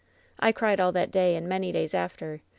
"I cried all that day and many days after.